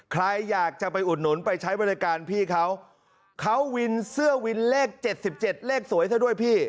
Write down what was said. ใครอยากจะไปอุดหนุนไปใช้บริการพี่เขาเขาวินเสื้อวินเลข๗๗เลขสวยซะด้วยพี่